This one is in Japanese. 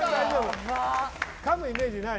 かむイメージない？